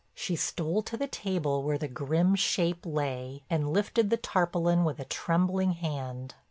She stole to the table where the grim shape lay and lifted the tarpaulin with a trembling hand.